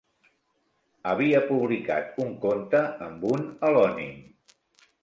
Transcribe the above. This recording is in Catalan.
Havia publicat un conte amb un al·lònim.